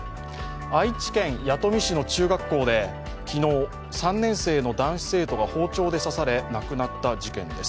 愛知県弥富市の中学校で昨日、３年生の男子生徒が包丁で刺され亡くなった事件です。